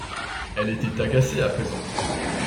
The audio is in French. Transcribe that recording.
Elle était agacée à présent.